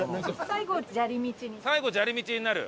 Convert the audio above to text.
最後砂利道になる？